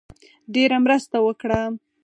ډېره مرسته وکړه.